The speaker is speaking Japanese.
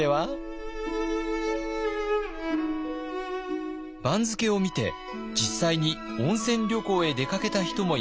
番付を見て実際に温泉旅行へ出かけた人もいました。